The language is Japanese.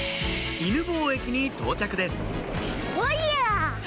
犬吠駅に到着ですおりゃ。